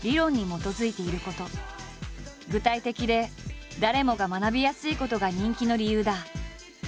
具体的で誰もが学びやすいことが人気の理由だ。